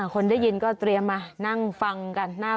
คนได้ยินก็เตรียมมานั่งฟังกันหน้า